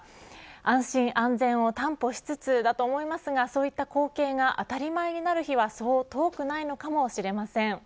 安心安全を担保しつつだと思いますがそういった光景が当たり前になる日は、そう遠くはないのかもしれません。